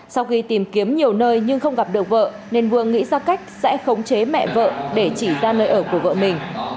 sau khi tìm kiếm nhiều nơi nhưng không gặp được vợ nên vương nghĩ ra cách sẽ khống chế mẹ vợ để chỉ ra nơi ở của vợ mình